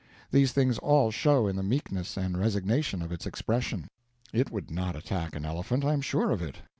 These things all show in the meekness and resignation of its expression. It would not attack an elephant, I am sure of it.